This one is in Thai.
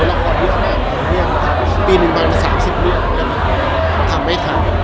ละครยุทธแมงภายเรียงปี๑๙๓๐ทำไม่ทัน